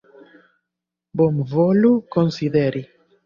Bonvolu konsideri.